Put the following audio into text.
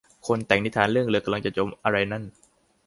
คนแต่งนิทานเรื่อง เรือกำลังจะจม อะไรนั่น